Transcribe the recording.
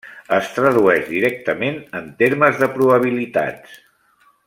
Es tradueix directament en termes de probabilitats.